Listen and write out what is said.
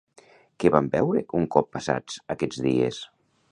Què van veure un cop passats aquests dies?